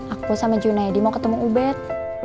aku sama junaidi mau ketemu ubed